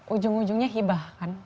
ujung ujungnya hibah kan